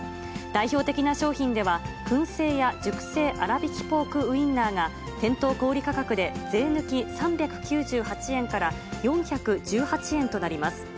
代表的な商品では、薫製屋熟成あらびきポークウインナーが、店頭小売り価格で税抜き３９８円から４１８円となります。